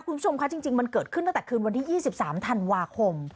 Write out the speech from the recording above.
คุณผู้ชมคะจริงมันเกิดขึ้นตั้งแต่คืนวันที่๒๓ธันวาคม